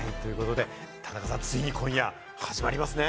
田中さん、ついに今夜始まりますね。